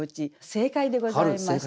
正解でございました。